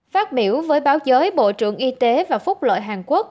phát biểu với báo giới bộ trưởng y tế và phúc lợi hàn quốc